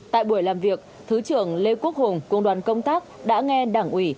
tại buổi làm việc thứ trưởng lê quốc hùng cùng đoàn công tác đã nghe đảng ủy